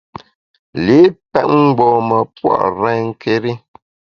Li’ pèt mgbom-a pua’ renké́ri.